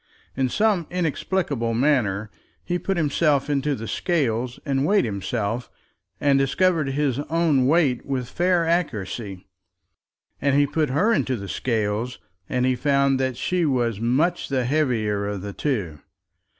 In some inexplicable manner he put himself into the scales and weighed himself, and discovered his own weight with fair accuracy. And he put her into the scales, and he found that she was much the heavier of the two.